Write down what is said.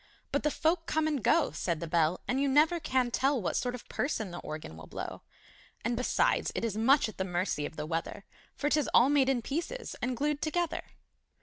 But the folk come and go, Said the Bell, And you never can tell What sort of person the Organ will blow! And, besides, it is much at the mercy of the weather For 'tis all made in pieces and glued together!